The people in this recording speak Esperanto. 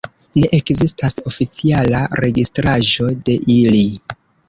Ne ekzistas oficiala registraĵo de ili.